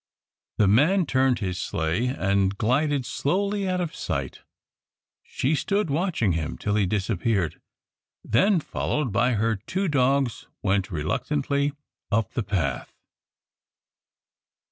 The man turned his sleigh and glided slowly out of sight. She stood watching him till he disappeared, then, followed by her two dogs went reluctantly up the path.